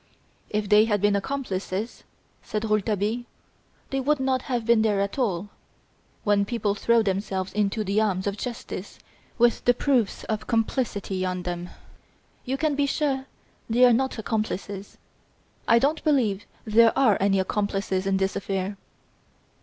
"If they had been accomplices," said Rouletabille, "they would not have been there at all. When people throw themselves into the arms of justice with the proofs of complicity on them, you can be sure they are not accomplices. I don't believe there are any accomplices in this affair."